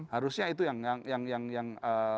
harusnya itu yang